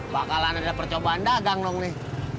bakalan ada percobaan dagang dong nih